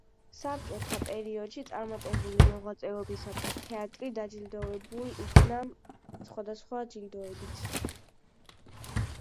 საბჭოთა პერიოდში წარმატებული მოღვაწეობისათვის თეატრი დაჯილდოვებულ იქნა სხვადასხვა ჯილდოებით.